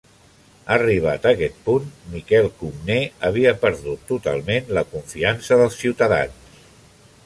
Arribat aquest punt, Miquel Comnè havia perdut totalment la confiança dels ciutadans.